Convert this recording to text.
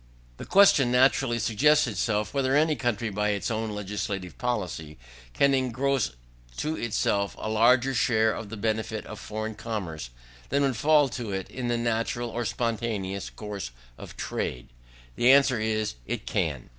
4. The question naturally suggests itself, whether any country, by its own legislative policy, can engross to itself a larger share of the benefits of foreign commerce, than would fall to it in the natural or spontaneous course of trade. The answer is, it can.